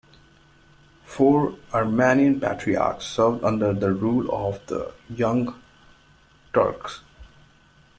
Four Armenian Patriarchs served under the rule of the Young Turks.